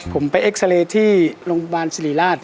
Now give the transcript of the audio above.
ผมไปเอ็กซาเรย์ที่โรงพยาบาลสิริราช